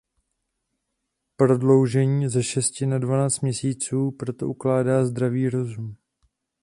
Prodloužení ze šesti na dvanáct měsíců proto ukládá zdravý rozum.